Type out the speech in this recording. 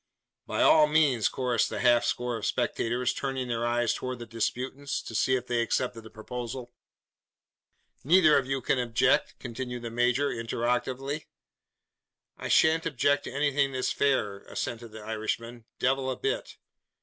"By all means!" chorused the half score of spectators, turning their eyes towards the disputants, to see if they accepted the proposal. "Neither of you can object?" continued the major, interrogatively. "I sha'n't object to anything that's fair," assented the Irishman "devil a bit!"